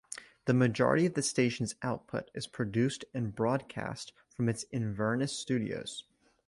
The majority of the station's output is produced and broadcast from its Inverness studios.